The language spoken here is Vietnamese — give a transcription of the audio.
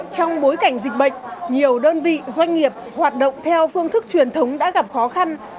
trong bối cảnh dịch bệnh nhiều đơn vị doanh nghiệp hoạt động theo phương thức truyền thống đã gặp khó khăn